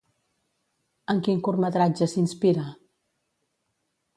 En quin curtmetratge s'inspira?